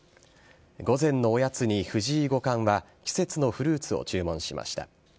午前のおやつに藤井五冠は季節のフルーツを注文しました。